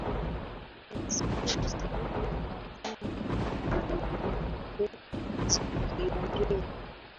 Alisikia sauti ya mwanaume na mwanamke zikiongea